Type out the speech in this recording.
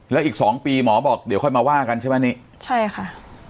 แล้วอีกสองปีหมอบอกเดี๋ยวค่อยมาว่ากันใช่ไหมนี่ใช่ค่ะ